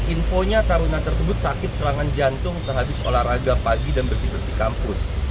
infonya taruna tersebut sakit serangan jantung sehabis olahraga pagi dan bersih bersih kampus